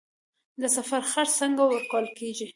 د سفر خرڅ څنګه ورکول کیږي؟